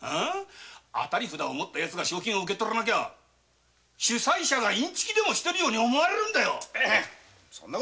当たり札を持った者が賞金を受け取らなきゃ主催者がインチキでもしているように思われるんだよ。